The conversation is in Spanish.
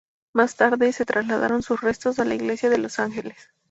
Más tarde se trasladaron sus restos a la iglesia de los Ángeles.